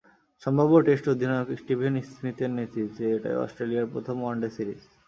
সম্ভাব্য টেস্ট অধিনায়ক স্টিভেন স্মিথের নেতৃত্বে এটাই অস্ট্রেলিয়ার প্রথম ওয়ানডে সিরিজ।